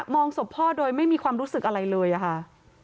องศพพ่อโดยไม่มีความรู้สึกอะไรเลยอะค่ะ